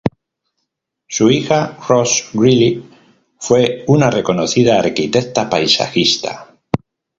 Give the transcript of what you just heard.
Su hija Rose Greely fue una reconocida arquitecta paisajista.